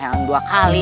harus dua kali